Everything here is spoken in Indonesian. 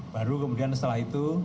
baru kemudian setelah itu